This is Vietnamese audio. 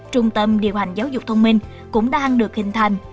trung tâm điều hành giáo dục thông minh cũng đang được hình thành